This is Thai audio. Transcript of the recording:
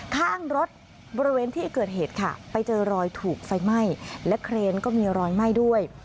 ข้างรถบริเวณที่เกิดเหตุค่ะไปเจอรอยถูกไฟไหม้และเครนก็มีรอยไหม้ด้วย